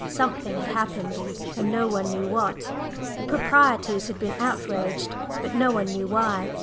Something had happened, and no one knew what. The proprieties had been outraged, but no one knew why.